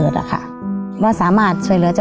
ลองกันถามอีกหลายเด้อ